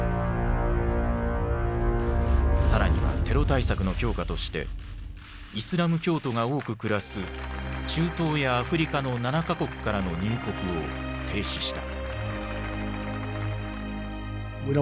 更にはテロ対策の強化としてイスラム教徒が多く暮らす中東やアフリカの７か国からの入国を停止した。